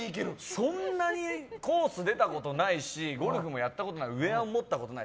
そんなにコース出たことないしゴルフもやったことないウェアも持ったことない。